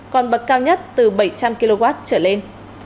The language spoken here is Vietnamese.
còn bậc cao nhất từ bảy trăm linh kw trở lên